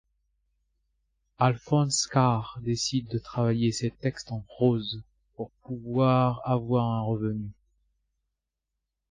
Alphonse Karr décide de travailler ses textes en prose, pour pouvoir avoir un revenu.